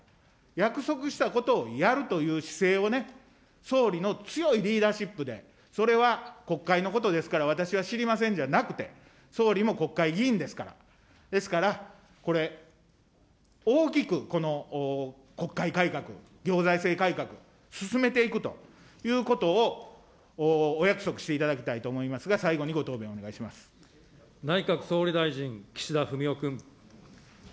約束したことをやるという姿勢を、総理の強いリーダーシップで、それは国会のことですから私は知りませんじゃなくて、総理も国会議員ですから、ですから、これ、大きくこの国会改革、行財政改革、進めていくということをお約束していただきたいと思いますが、最内閣総理大臣、岸田文雄君。